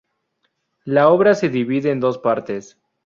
La obra se divide en dos partes.